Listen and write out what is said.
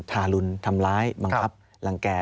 ทารุณทำร้ายบังคับรังแก่